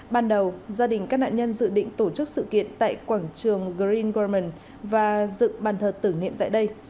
ban đầu gia đình các nạn nhân dự định tổ chức sự kiện tại quảng trường green wroman và dựng bàn thờ tử niệm tại đây